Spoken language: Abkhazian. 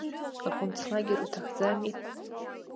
Аконцлагер уҭахӡами?